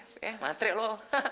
seres ya matrik lu